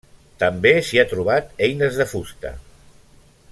També s'hi ha trobat eines de fusta.